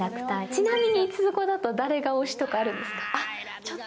ちなみに五つ子だと、誰が推しとかあるんですか？